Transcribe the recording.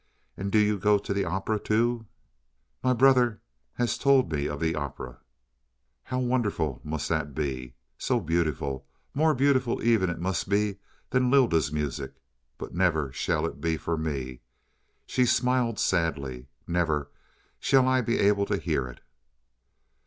And do you go to the opera, too? My brother he has told me of the opera. How wonderful must that be! So beautiful more beautiful even it must be than Lylda's music. But never shall it be for me." She smiled sadly: "Never shall I be able to hear it."